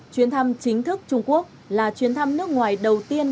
chuyến thăm chính thức trung quốc là chuyến thăm nước ngoài đầu tiên